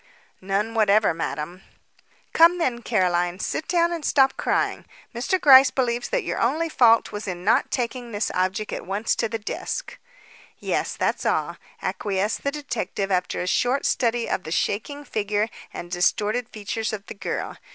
"None whatever, Madam." "Come, then. Caroline, sit down and stop crying. Mr. Gryce believes that your only fault was in not taking this object at once to the desk." "Yes, that's all," acquiesced the detective after a short study of the shaking figure and distorted features of the girl.